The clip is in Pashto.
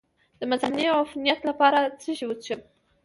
د مثانې د عفونت لپاره باید څه شی وڅښم؟